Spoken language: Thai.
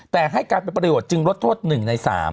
แต่ให้การเป็นประโยชนจึงลดโทษ๑ใน๓